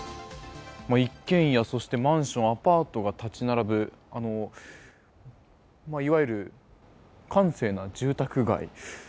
一軒家、そしてマンション、アパートが立ち並ぶ、いわゆる閑静な住宅街。